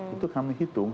itu kami hitung